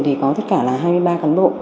thì có tất cả là hai mươi ba cán bộ